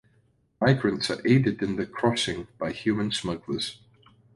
Migrants are aided in the crossing by human smugglers.